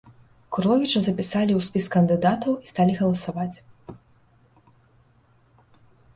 Курловіча запісалі ў спіс кандыдатаў і сталі галасаваць.